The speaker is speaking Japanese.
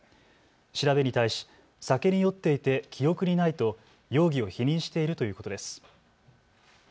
調べに対し酒に酔っていて記憶にないと容疑を否認しているということです。